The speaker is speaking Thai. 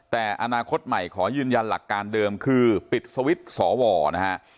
แต่อนาคตใหม่ขอยืนยันหลักการเดิมคือปิดสวิตช์สวนะฮะ